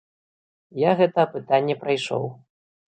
Я гэта апытанне прайшоў.